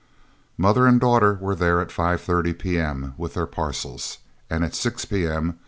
Mother and daughter were there at 5.30 p.m., with their parcels, and at 6 p.m.